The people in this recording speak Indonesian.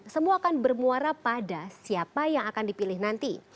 semua akan bermuara pada siapa yang akan dipilih nanti